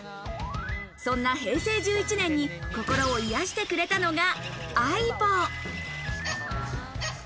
そんな平成１１年に心を癒してくれたのがＡＩＢＯ。